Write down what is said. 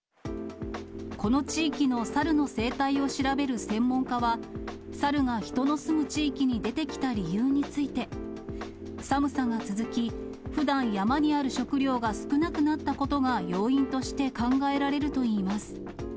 この地域のサルの生態を調べる専門家は、サルが人の住む地域に出てきた理由について、寒さが続き、ふだん山にある食料が少なくなったことが要因として考えられるといいます。